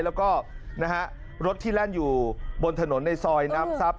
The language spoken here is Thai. แล้วก็นะฮะรถที่แล่นอยู่บนถนนในซอยน้ำทรัพย